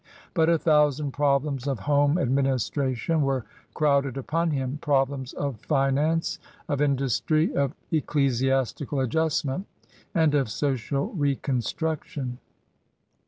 But a thousand problems of home administration were crowded upon him, problems of finance, of industry, of ecclesiastical adjustment, and of social reconstruction.